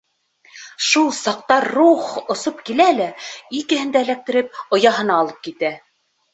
Шул саҡта Рухх осоп килә лә, икеһен дә эләктереп, ояһына алып китә.